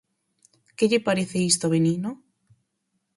Que lle parece isto a Benigno?